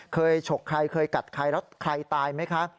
ฉกใครเคยกัดใครแล้วใครตายไหมคะ